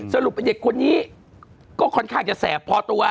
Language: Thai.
สรุปไอ้เด็กคนนี้ก็ค่อนข้างจะแสบพอตัว